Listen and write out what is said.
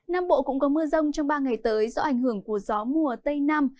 nam bộ cũng có mưa rông trong ba ngày tới do ảnh hưởng của gió mùa tây nam